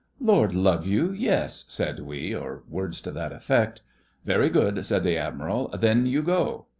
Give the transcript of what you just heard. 'Lord love you, yes,' said we, or words to that effect. 'Very good,' said the Admiral, 'then you go.